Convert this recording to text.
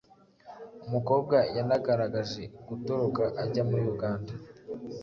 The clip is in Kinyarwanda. Umukobwa yanagerageje gutoroka ajya muri Uganda,